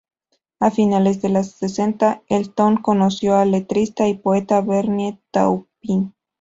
A finales de los sesenta, Elton conoció al letrista y poeta Bernie Taupin.